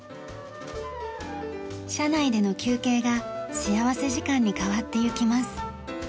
車内での休憩が幸福時間に変わっていきます。